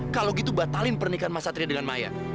kalau gitu batalin pernikahan mas satria dengan maya